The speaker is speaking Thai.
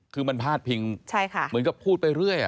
คือมันพาดพิงเหมือนกับพูดไปเรื่อย